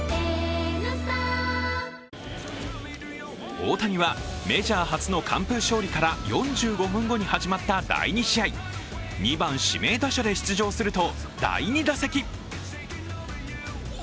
大谷はメジャー初の完封勝利から４５分後に始まった第２試合、２番・指名打者で出場すると第２打席。